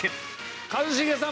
一茂さん